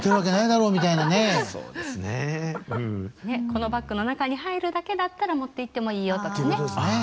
「このバッグの中に入るだけだったら持っていってもいいよ」とかね。